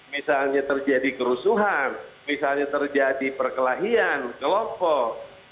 misalnya terjadi kerusuhan misalnya terjadi perkelahian kelompok